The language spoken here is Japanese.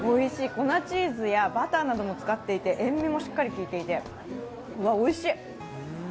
粉チーズやバターなども使っていて、塩みがしっかりきいていて、おいしい！